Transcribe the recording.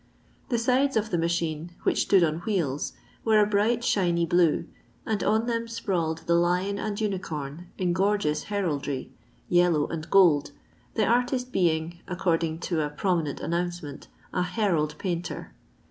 The sides of the machine, which stood on wheels, were a bright, shiny blue, and on them sprawled the lion and unicorn in gorgeous heraldry, yellow and gold, the artist being, according to a pro minent announcement, a " herald painter."